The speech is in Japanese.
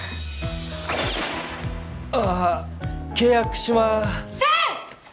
ああ契約しません！